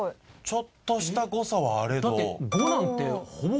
ちょっとした誤差はあれど。